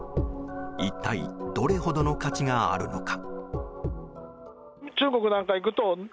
一体どれほどの価値があるのか。